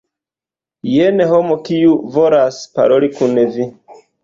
Jen estas homo, kiu volas paroli kun vi.